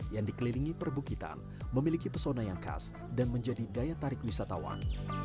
yang dikelilingi perbukitan memiliki pesona yang khas dan menjadi daya tarik wisatawan